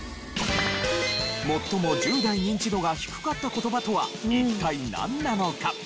最も１０代ニンチドが低かった言葉とは一体なんなのか？